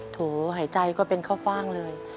โหหายใจก็เป็นข้าวฟ่างเลย